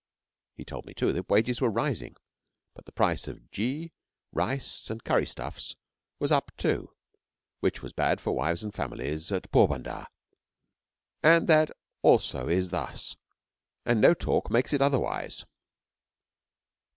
He told me, too, that wages were rising, but the price of ghee, rice, and curry stuffs was up, too, which was bad for wives and families at Porbandar. 'And that also is thus, and no talk makes it otherwise.'